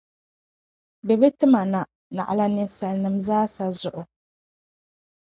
Bɛ bi tim a na, naɣila ninsalinim’ zaasa zuɣu.